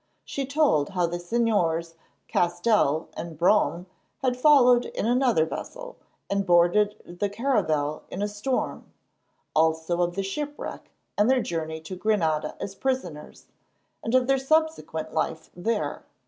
She told how the Señors Castell and Brome had followed in another vessel, and boarded the caravel in a storm; also of the shipwreck and their journey to Granada as prisoners, and of their subsequent life there.